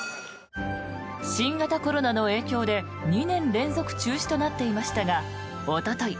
新型コロナの影響で２年連続中止となっていましたがおととい